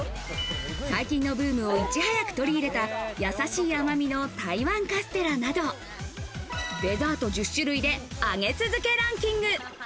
最近のブームをいち早く取り入れたやさしい甘みの台湾カステラなど、デザート１０種類で上げ続けランキング。